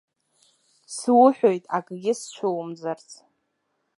Суҳәоит акгьы сцәумӡарц!